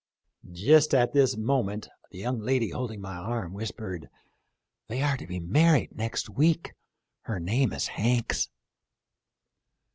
" Just at this moment the young lady holding to my arm whispered, ' They are to be married next week ; her name is Hanks.'